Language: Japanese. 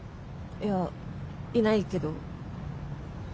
いやいないけど。